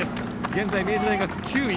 現在、明治大学、９位。